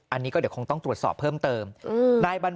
อันนี้ก็เดี๋ยวคงต้องตรวจสอบเพิ่มเติม